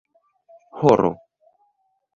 horo